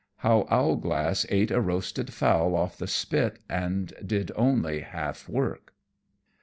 _How Owlglass ate a roasted Fowl off the spit, and did only half Work.